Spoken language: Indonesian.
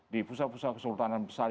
di pusat pusat kesultanan besar